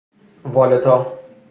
والِتا